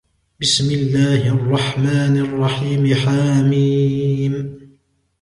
بسم الله الرحمن الرحيم حم